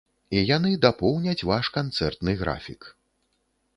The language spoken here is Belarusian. І яны дапоўняць ваш канцэртны графік.